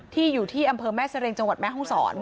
อยู่ที่อำเภอแม่เสรงจังหวัดแม่ห้องศร